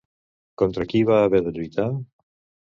Contra qui va haver de lluitar?